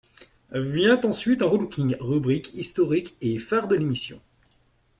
Vient ensuite un relooking, rubrique historique et phare de l'émission.